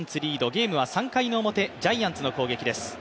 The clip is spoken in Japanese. ゲームは３回表、ジャイアンツの攻撃です。